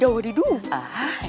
nanti aku bilangin pak kiai